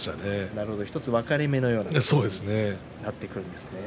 なるほど１つの分かれ目という感じになってくるんですかね。